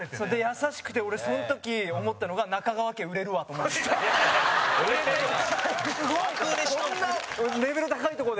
優しくて俺、その時、思ったのが中川家、売れるわと思いました。